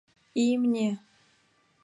Имне?!